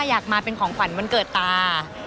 อยากมาเป็นของขวัญวันเกิดตา